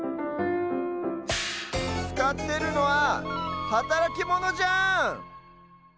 つかってるのははたらきモノじゃん！